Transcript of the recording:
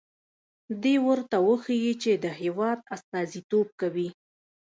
دې ورته وښيي چې د هېواد استازیتوب کوي.